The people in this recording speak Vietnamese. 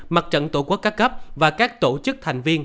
mặt trận tổ quốc ca cấp và các tổ chức